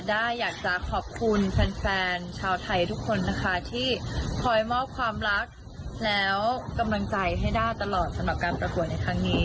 ้าอยากจะขอบคุณแฟนชาวไทยทุกคนนะคะที่คอยมอบความรักแล้วกำลังใจให้ด้าตลอดสำหรับการประกวดในครั้งนี้